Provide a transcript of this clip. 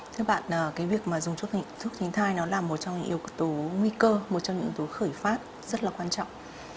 thưa bạn cái việc mà dùng thuốc tránh thai nó là một trong những yếu tố nguy cơ một trong những yếu tố khởi phát rất là quan trọng